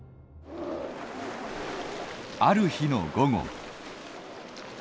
ある日の午後。